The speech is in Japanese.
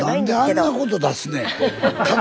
何であんなこと出すねん。